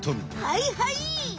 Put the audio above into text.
はいはい！